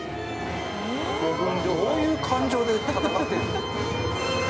どういう感情で戦ってんの？